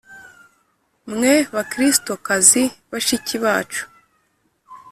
Mwe Bakristokazi bashiki bacu